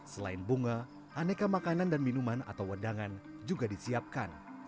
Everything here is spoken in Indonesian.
selain bunga aneka makanan dan minuman atau wedangan juga disiapkan